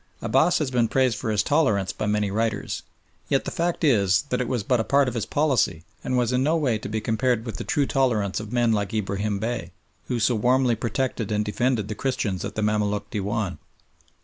Abbass has been praised for his tolerance by many writers, yet the fact is that it was but a part of his policy, and was in no way to be compared with the true tolerance of men like Ibrahim Bey, who so warmly protected and defended the Christians at the Mamaluk Dewan.